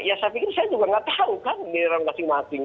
ya saya pikir saya juga enggak tahu kan